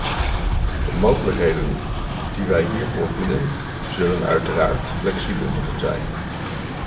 De mogelijkheden die wij hiervoor bieden, zullen uiteraard flexibel moeten zijn.